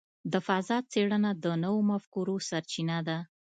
د فضاء څېړنه د نوو مفکورو سرچینه ده.